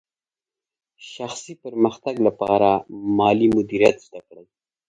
شخصي پرمختګ لپاره مالي مدیریت زده کړئ.